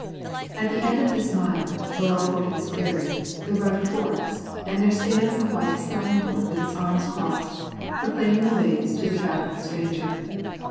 At the end of this mile, below Horton's Ferry, the road forks, and there stands a white signboard with its arms crossed, proclaiming the ways to the travelling stranger.